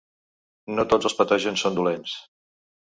No tots els patògens són dolents.